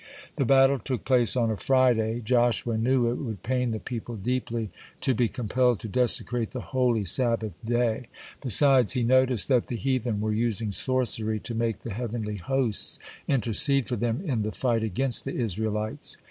The battle took place on a Friday. Joshua knew it would pain the people deeply to be compelled to desecrate the holy Sabbath day. Besides, he noticed that the heathen were using sorcery to make the heavenly hosts intercede for them in the fight against the Israelites.